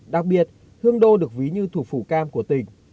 đặc biệt hương đô được ví như thủ phủ cam của tỉnh